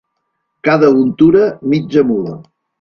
Cada untura, mitja mula.